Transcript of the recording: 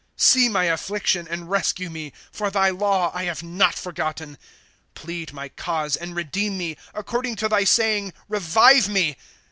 ' See my affliction, and rescue me ; For thy law I have not forgotten. ' Plead my cause and redeem me ; According to thy saying revive me.